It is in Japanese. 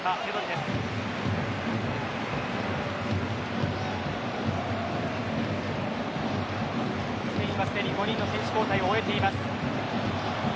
スペインはすでに５人の選手交代を終えています。